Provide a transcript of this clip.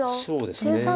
そうですね。